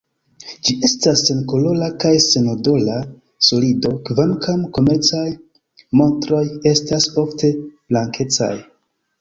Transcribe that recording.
Ĝi estas senkolora kaj senodora solido, kvankam komercaj montroj estas ofte blankecaj.